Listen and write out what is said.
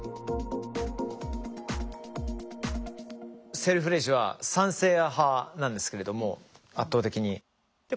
セルフレジは賛成派なんですけれども圧倒的に。